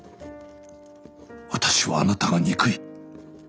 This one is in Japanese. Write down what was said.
私はあなたが憎い。